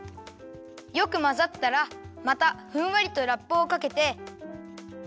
よくまざったらまたふんわりとラップをかけて。